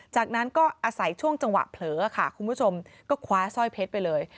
จากนั้นก็อาศัยช่วงจังหวะเผลอค่ะคุณผู้ชมก็คว้าสร้อยเพชรไปเลย